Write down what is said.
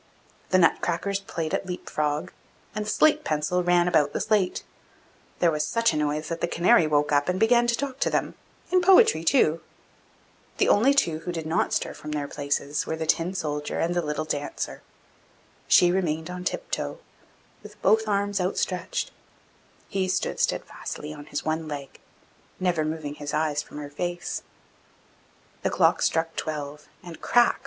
The nut crackers played at leap frog, and the slate pencil ran about the slate; there was such a noise that the canary woke up and began to talk to them, in poetry too! The only two who did not stir from their places were the Tin soldier and the little Dancer. She remained on tip toe, with both arms outstretched; he stood steadfastly on his one leg, never moving his eyes from her face. The clock struck twelve, and crack!